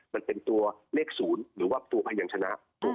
มันเป็นตัวเลข๐หรือว่าตัวพยานชนะ